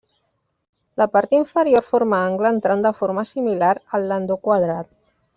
La part inferior forma angle entrant de forma similar al landó quadrat.